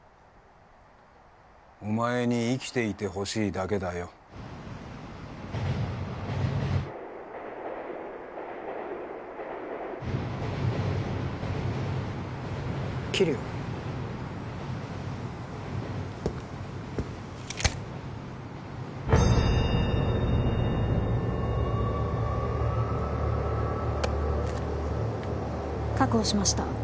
お前に生きていてほしいだけだよ切るよ確保しました